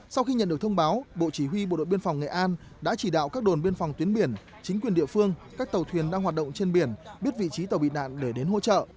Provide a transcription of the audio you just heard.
sau khi nhận được thông báo bộ chỉ huy bộ đội biên phòng nghệ an đã chỉ đạo các đồn biên phòng tuyến biển chính quyền địa phương các tàu thuyền đang hoạt động trên biển biết vị trí tàu bị nạn để đến hỗ trợ